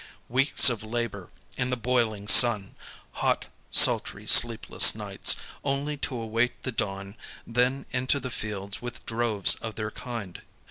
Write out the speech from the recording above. Weeks of labor in the boiling sun. Hot, sultry, sleepless nights, only to await the dawn, then into the fields with droves of their kind.